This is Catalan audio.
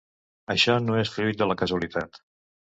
Això no és fruit de la casualitat.